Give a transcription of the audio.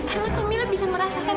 karena kamila bisa merasakan